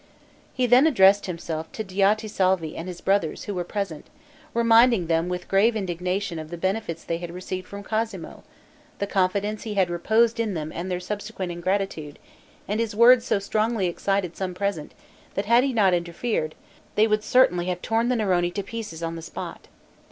He then addressed himself to Diotisalvi and his brothers, who were present, reminding them with grave indignation, of the benefits they had received from Cosmo, the confidence he had reposed in them and their subsequent ingratitude; and his words so strongly excited some present, that had he not interfered, they would certainly have torn the Neroni to pieces on the spot.